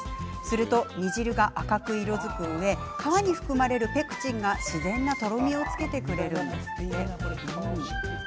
すると煮汁が赤く色づくうえ皮に含まれるペクチンが自然なとろみを、つけてくれます。